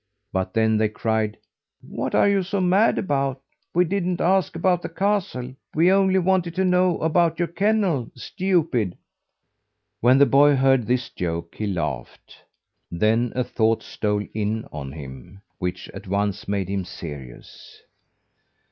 But then they cried: "What are you so mad about? We didn't ask about the castle; we only wanted to know about your kennel, stupid!" When the boy heard this joke, he laughed; then a thought stole in on him which at once made him serious.